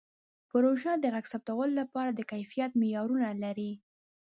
پروژه د غږ ثبتولو لپاره د کیفیت معیارونه لري.